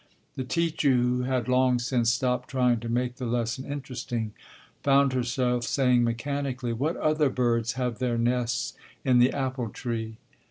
The teacher, who had long since stopped trying to make the lesson interesting, found herself saying mechanically, "What other birds have their nests in the apple tree?"